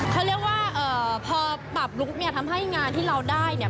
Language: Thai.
เขาเรียกว่าพอปรับลุคเนี่ยทำให้งานที่เราได้เนี่ย